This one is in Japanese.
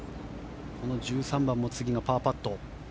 この１３番も次がパーパット。